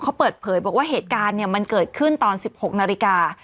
เขาเปิดเผยบอกว่าเหตุการณ์มันเกิดขึ้นตอน๑๖นาฬิกา